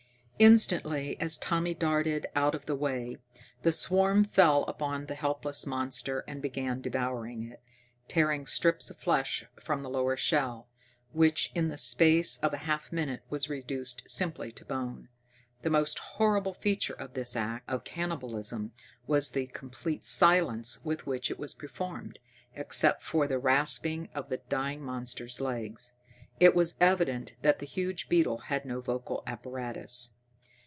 Instantly, as Tommy darted out of the way, the swarm fell upon the helpless monster and began devouring it, tearing strips of flesh from the lower shell, which in the space of a half minute was reduced simply to bone. The most horrible feature of this act of cannibalism was the complete silence with which it was performed, except for the rasping of the dying monster's legs. It was evident that the huge beetles had no vocal apparatus.